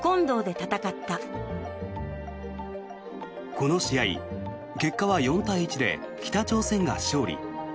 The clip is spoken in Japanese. この試合、結果は４対１で北朝鮮が勝利。